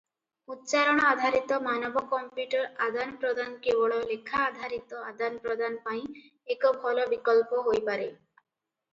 ଉଚ୍ଚାରଣ ଆଧାରିତ ମାନବ-କମ୍ପ୍ୟୁଟର ଆଦାନପ୍ରଦାନ କେବଳ ଲେଖା-ଆଧାରିତ ଆଦାନପ୍ରଦାନ ପାଇଁ ଏକ ଭଲ ବିକଳ୍ପ ହୋଇପାରେ ।